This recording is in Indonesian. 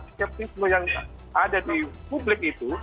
skeptisme yang ada di publik itu